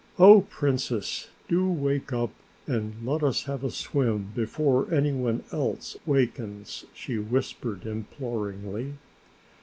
"Oh, Princess, do wake up and let us have a swim before any one else wakens," she whispered imploringly.